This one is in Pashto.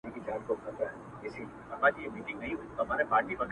اوښ د باره ولوېدی، د بړ بړه و نه لوېدی.